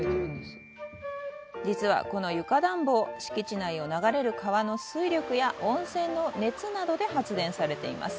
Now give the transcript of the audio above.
実は、この床暖房敷地内を流れる川の水力や温泉の熱などで発電されています。